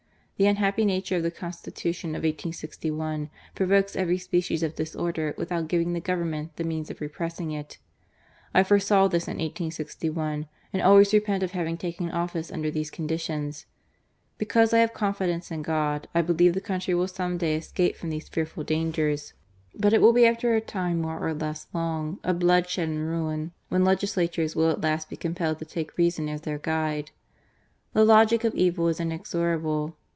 The unhappy nature of the Constitution of 1861, provokes every species of disorder without giving the Government THE FIGHT OF JAMBELI. 155 the means of repressing it. ... I foresaw this in 1861, and always repent of having taken office under these conditions. Because I have confidence in God, I believe the country will some day escape from these fearful dangers ; but it will be after a time, more or less long, of bloodshed and ruin, when legislators will at last be compelled to take reason as their guide. The logic of evil is inexorable.